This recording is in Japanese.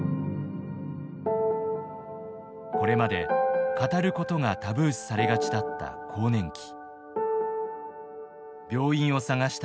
これまで語ることがタブー視されがちだった更年期。